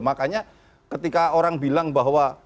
makanya ketika orang bilang bahwa